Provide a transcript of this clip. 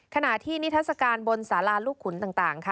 ขณะที่นิทราสการบนสารารูกขุนต่าง